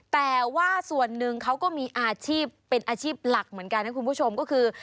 แต่ว่าส่วนหนึ่งเขาก็มีอาชีพเป็นอาชีพหลักเหมือนกันนะคุณผู้ชมก็คือ